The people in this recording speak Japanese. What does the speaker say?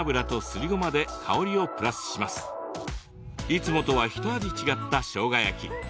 いつもとはひと味違ったしょうが焼き。